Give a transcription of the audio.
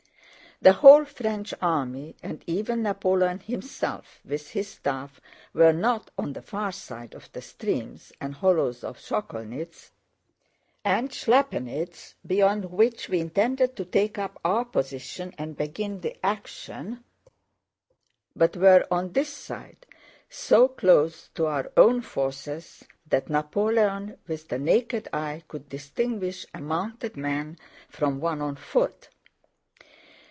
The whole French army, and even Napoleon himself with his staff, were not on the far side of the streams and hollows of Sokolnitz and Schlappanitz beyond which we intended to take up our position and begin the action, but were on this side, so close to our own forces that Napoleon with the naked eye could distinguish a mounted man from one on foot.